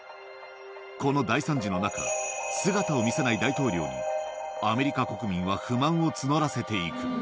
この大惨事の中、姿を見せない大統領に、アメリカ国民は不満を募らせていく。